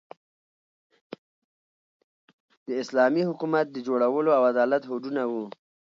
د اسلامي حکومت د جوړولو او عدالت هوډونه وو.